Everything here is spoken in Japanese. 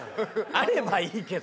あればいいけど。